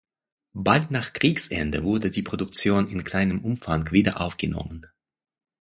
Bald nach Kriegsende wurde die Produktion in kleinem Umfang wieder aufgenommen.